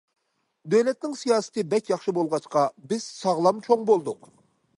دۆلەتنىڭ سىياسىتى بەك ياخشى بولغاچقا، بىز ساغلام چوڭ بولدۇق.